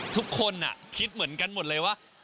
ทุกคนคิดเหมือนกันหมดเลยว่า